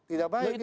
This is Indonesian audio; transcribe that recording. tidak baik gitu